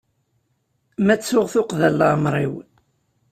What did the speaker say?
Ma ttuɣ tuqqda n leɛmer-iw.